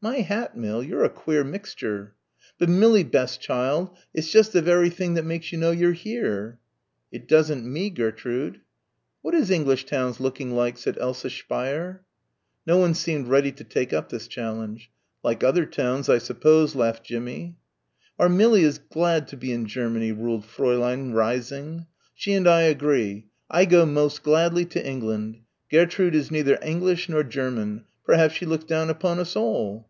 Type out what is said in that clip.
"My hat, Mill, you're a queer mixture!" "But, Millie, best child, it's just the very thing that makes you know you're here." "It doesn't me, Gertrude." "What is English towns looking like," said Elsa Speier. No one seemed ready to take up this challenge. "Like other towns I suppose," laughed Jimmie. "Our Millie is glad to be in Germany," ruled Fräulein, rising. "She and I agree I go most gladly to England. Gairtrud is neither English nor German. Perhaps she looks down upon us all."